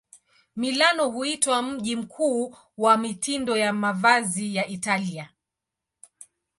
Milano huitwa mji mkuu wa mitindo ya mavazi ya Italia.